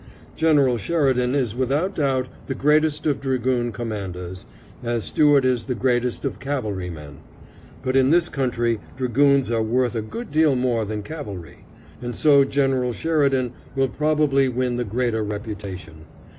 General Sheridan is without doubt the greatest of dragoon commanders, as Stuart is the greatest of cavalry men; but in this country dragoons are worth a good deal more than cavalry, and so General Sheridan will probably win the greater reputation.